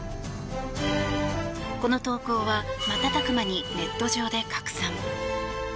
この投稿は瞬く間にネット上で拡散。